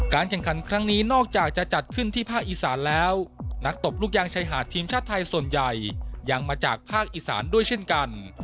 แข่งขันครั้งนี้นอกจากจะจัดขึ้นที่ภาคอีสานแล้วนักตบลูกยางชายหาดทีมชาติไทยส่วนใหญ่ยังมาจากภาคอีสานด้วยเช่นกัน